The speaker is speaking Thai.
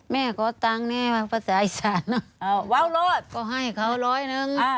แม่ขอตังค์แน่ว่าภาษาอีสานอ้าวว้าวรถก็ให้เขาร้อยหนึ่งอ่า